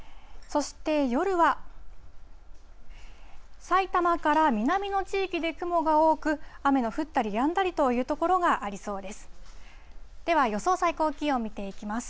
そして夜は、埼玉から南の地域で雲が多く、雨の降ったりやんだりという所がありそうです。